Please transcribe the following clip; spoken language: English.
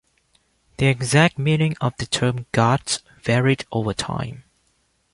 The exact meaning of the term "Guards" varied over time.